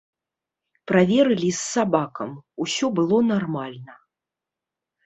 Праверылі з сабакам, усё было нармальна.